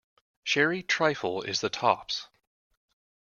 Sherry trifle is the tops!